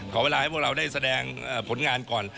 ขอเวลาให้พวกเราได้แสดงผลงานก่อน